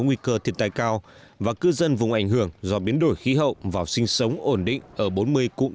nguy cơ thiệt tai cao và cư dân vùng ảnh hưởng do biến đổi khí hậu vào sinh sống ổn định ở bốn mươi cụm